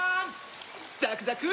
ザクザク！